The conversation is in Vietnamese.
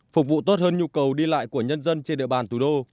phục vụ tốt hơn nhu cầu đi lại của nhân dân trên địa bàn thủ đô